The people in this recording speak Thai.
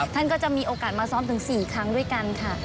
ท่านก็จะมีโอกาสมาซ้อมถึง๔ครั้งด้วยกันค่ะ